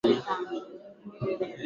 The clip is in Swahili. Anajua kijerumani